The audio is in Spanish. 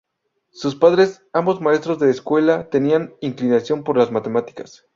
Sus padres, ambos maestros de escuela, tenían inclinación por las matemáticas.